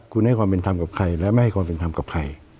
คุณให้ความเป็นธรรมกับใครและไม่ให้ความเป็นธรรมกับใคร